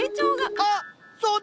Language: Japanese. あっそうだ！